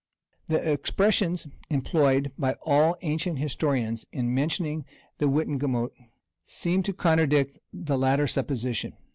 The expressions employed by all ancient historians in mentioning the wittenagemot, seem to contradict the latter supposition.